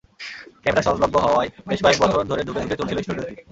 Camera সহজলভ্য হওয়ায় বেশ কয়েক বছর ধরে ধুঁকে ধুঁকে চলছিল স্টুডিওটি।